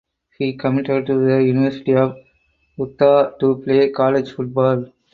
He committed to the University of Utah to play college football.